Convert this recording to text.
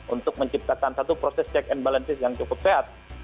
untuk menciptakan satu proses check and balances yang cukup sehat